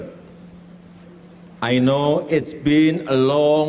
saya tahu hari ini sudah lama